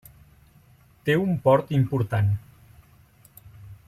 Té un port important.